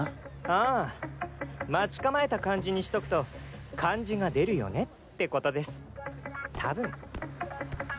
ああ待ち構えた感じにしとくと感じが出るよねってことですたぶん。